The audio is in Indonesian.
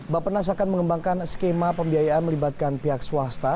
bapenas akan mengembangkan skema pembiayaan melibatkan pihak swasta